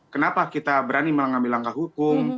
kenapa kita berani mengambil langkah hukum